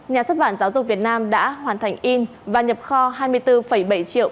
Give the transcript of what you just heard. nhà xuất bản giáo dục việt nam đã hoàn thành in và nhập kho hai mươi bốn bảy triệu